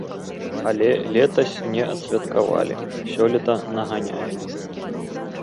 Але летась не адсвяткавалі, сёлета наганяем.